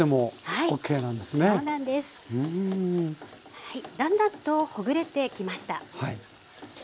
はいだんだんとほぐれてきました。